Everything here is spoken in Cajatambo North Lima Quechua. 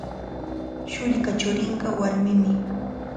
Shullka churinqa warmimi.